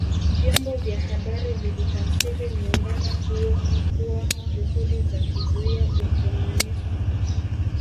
Vyombo vya habari vilitafsiri muungano huo kuwa juhudi za kuzuia Ukomunisti